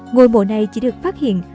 ngôi mộ này chỉ được phát hiện